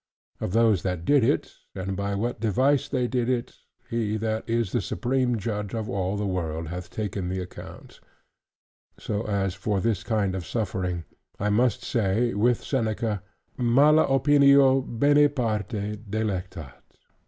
Of those that did it, and by what device they did it, He that is the Supreme Judge of all the world, hath taken the account: so as for this kind of suffering, I must say With Seneca, "Mala opinio, bene parta, delectat."